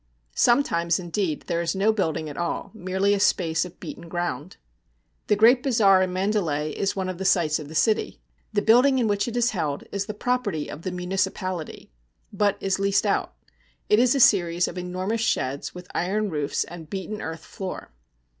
Sometimes, indeed, there is no building at all, merely a space of beaten ground. The great bazaar in Mandalay is one of the sights of the city. The building in which it is held is the property of the municipality, but is leased out. It is a series of enormous sheds, with iron roofs and beaten earth floor.